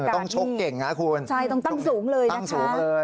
ต้องชกเก่งนะคุณต้องตั้งสูงเลยนะครับ